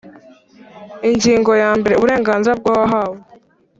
Ingingo yambere Uburenganzira bw uwahawe